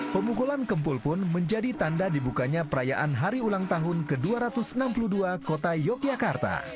pemukulan kempul pun menjadi tanda dibukanya perayaan hari ulang tahun ke dua ratus enam puluh dua kota yogyakarta